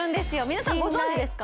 皆さんご存じですか？